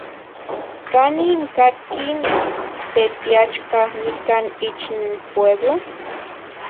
Canih n catqui n tetiachcah nicah ich n puebloh?